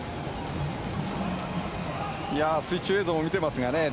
水中映像も出ていますがね